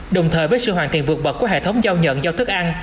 đồng thời với sự hoàn thiện vượt bậc của hệ thống giao nhận giao thức ăn